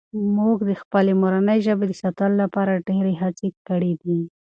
موږ د خپلې مورنۍ ژبې د ساتلو لپاره ډېرې هڅې کړي دي.